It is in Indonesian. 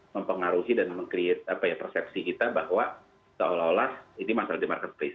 mempengaruhi dan membuat apa ya persepsi kita bahwa seolah olah ini masalah di marketplace